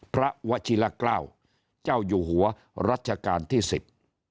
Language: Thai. วชิละเกล้าเจ้าอยู่หัวรัชกาลที่สิบ